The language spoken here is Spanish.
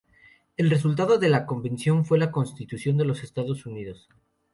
El resultado de la Convención fue la Constitución de los Estados Unidos.